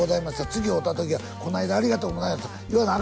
次会うた時はこの間ありがとうございました言わなあ